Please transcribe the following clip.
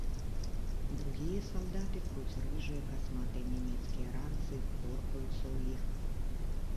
Другія салдаты пруць рыжыя, касматыя нямецкія ранцы, поркаюцца ў іх.